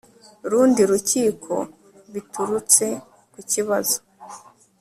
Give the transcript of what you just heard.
rundi rukiko biturutse ku kibazo